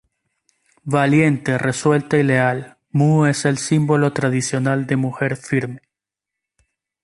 Valiente, resuelta y leal, Mu es el símbolo tradicional de mujer firme.